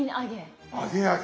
揚げ揚げ。